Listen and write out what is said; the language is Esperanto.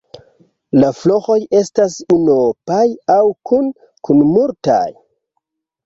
La floroj estas unuopaj aŭ kune kun multaj.